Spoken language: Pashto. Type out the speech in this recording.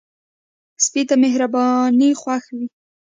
سپي ته مهرباني خوښ وي.